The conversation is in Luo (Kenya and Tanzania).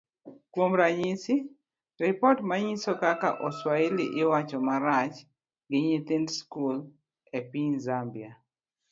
Kuom ranyisi, ripot manyiso kaka oswahili iwacho marach gi nyithind skul e piny Zambia